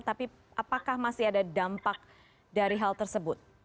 tapi apakah masih ada dampak dari hal tersebut